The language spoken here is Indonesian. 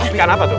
ikan apa tuh